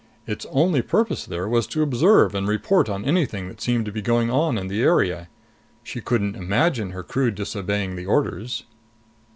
Its only purpose there was to observe and report on anything that seemed to be going on in the area. She couldn't imagine her crew disobeying the orders.